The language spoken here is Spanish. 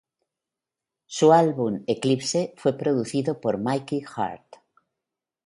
Su álbum "Eclipse" fue producido por Mickey Hart.